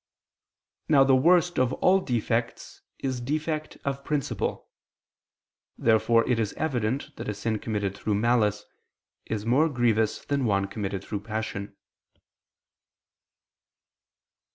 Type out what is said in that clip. Now the worst of all defects is defect of principle. Therefore it is evident that a sin committed through malice is more grievous than one committed through passion.